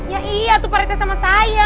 ya iya tuh pak rete sama saya